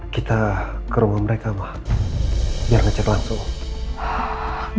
kita ke rumah mereka ma biar kecer langsung